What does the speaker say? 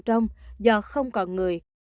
trong do không còn người